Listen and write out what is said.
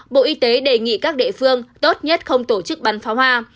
bộ y tế đề nghị các địa phương tốt nhất không tổ chức bắn pháo hoa